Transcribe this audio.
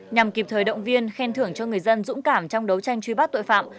nhằm kịp thời động viên khen thưởng cho người dân dũng cảm trong đấu tranh truy bắt tội phạm